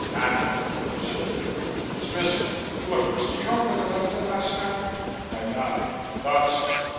"Hammond," he said bitterly. "He's missing. Look, was he drunk when you left him last night?" I nodded. "Thought so.